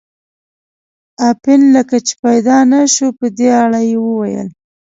اپین لکه چې پیدا نه شو، په دې اړه یې وویل.